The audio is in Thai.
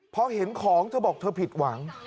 พอเห็นของเธอบอกเธอผิดหวัง